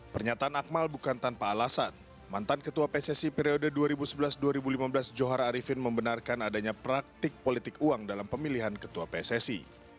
pernyataan akmal bukan tanpa alasan mantan ketua pssi periode dua ribu sebelas dua ribu lima belas johar arifin membenarkan adanya praktik politik uang dalam pemilihan ketua pssi